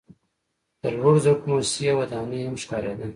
د لوړو زده کړو موسسې ودانۍ هم ښکاریده.